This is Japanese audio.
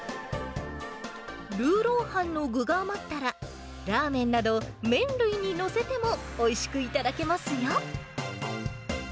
ルーロー飯の具が余ったら、ラーメンなど、麺類に載せてもおいしく頂けますよ。